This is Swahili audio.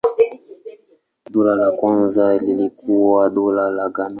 Dola la kwanza lilikuwa Dola la Ghana.